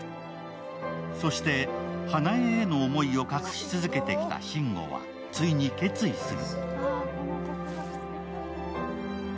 そして、花枝への思いを隠し続けてきた慎吾はついに決意する。